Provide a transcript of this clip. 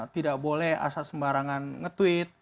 tidak boleh asal sembarangan nge tweet